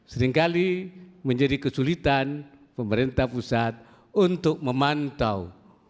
seringkali menjadi kesulitan pemerintah pusat untuk memantau